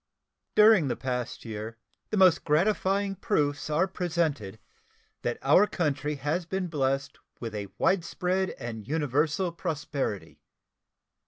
During the past year the most gratifying proofs are presented that our country has been blessed with a widespread and universal prosperity.